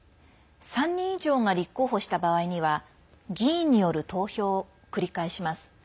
３人以上が立候補した場合には議員による投票を繰り返します。